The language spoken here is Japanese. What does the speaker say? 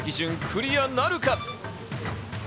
クリアなるか？